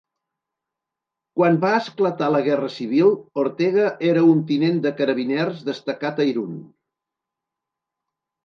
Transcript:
Quan va esclatar la Guerra civil, Ortega era un tinent de Carabiners destacat a Irun.